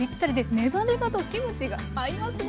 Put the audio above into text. ネバネバとキムチが合いますね。